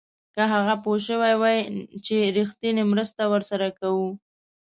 که هغه پوه شوی وای چې رښتینې مرسته ورسره کوو.